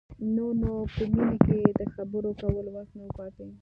نور نو په مينې کې د خبرو کولو وس نه و پاتې.